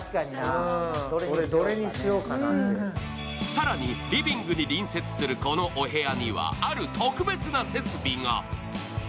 更にリビングに隣接するこのお部屋にはある特別な設備が。